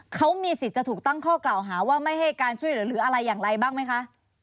เขามีสิทธิ์จะถูกตั้งข้อกล่าวหาว่าไม่ให้การช่วยเหลือหรืออะไรอย่างไรบ้างไหมคะ